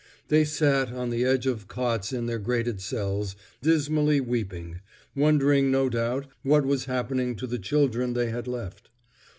They sat on the edge of cots in their grated cells, dismally weeping, wondering no doubt what was happening to the children they had left.